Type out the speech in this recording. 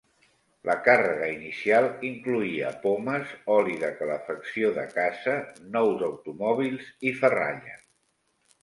La càrrega inicial incloïa pomes, oli de calefacció de casa, nous automòbils, i ferralla.